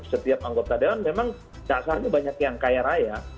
setiap anggota dewan memang dasarnya banyak yang kaya raya